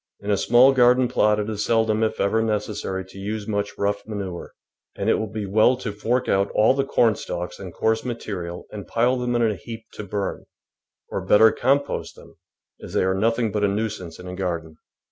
In a small garden plot it is seldom, if ever, necessary to use much rough manure, and it will be well to fork out all the cornstalks and coarse material and pile them in a heap to burn, or better compost them, as they are nothing but a nuisance in a garden.